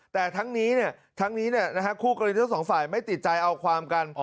แต่ทั้งนี้คู่กรณีท่อสองฝ่ายไม่ติดใจเอาความกัน